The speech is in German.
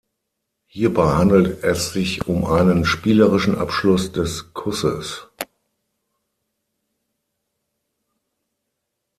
Hierbei handelt es sich um einen spielerischen Abschluss des Kusses.